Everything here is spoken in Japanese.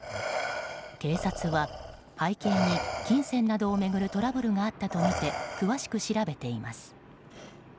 警察は背景に金銭などを巡るトラブルがあったとみて詳しく調べています。